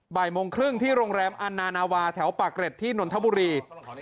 บ่ายโมงครึ่งที่โรงแรมอันนานาวาแถวปากเกร็ดที่นนทบุรี